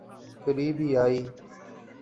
کریبیائی